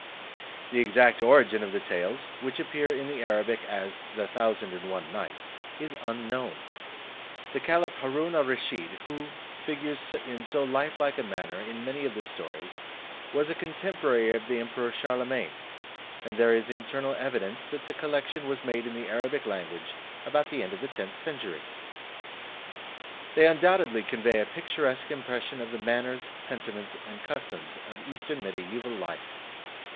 The exact origin of the Tales, which appear in the Arabic as "The Thousand and One Nights," is unknown. The Caliph Haroon al Rusheed, who, figures in so lifelike a manner in many of the stories, was a contemporary of the Emperor Charlemagne, and there is internal evidence that the collection was made in the Arabic language about the end of the tenth century. They undoubtedly convey a picturesque impression of the manners, sentiments, and customs of Eastern Mediaeval Life.